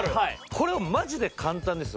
これはマジで簡単です